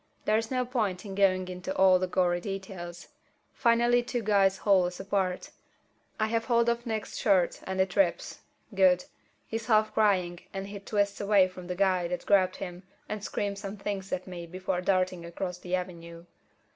There's no point in going into all the gory details. Finally two guys haul us apart. I have hold of Nick's shirt and it rips. Good. He's half crying, and he twists away from the guy that grabbed him and screams some things at me before darting across the avenue.